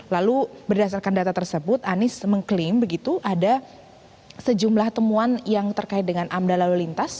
lalu berdasarkan data tersebut anies mengklaim begitu ada sejumlah temuan yang terkait dengan amda lalu lintas